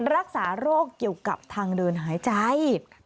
รักษาโรคเกี่ยวกับทางเดินหายใจ